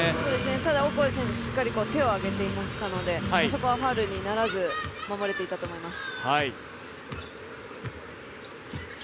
ただオコエ選手、しっかり手を上げていましたので、そこはファウルにならず守れていたと思います。